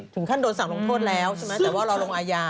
ถึงขั้นโดนสั่งลงโทษแล้วแต่ว่าลองลงอายา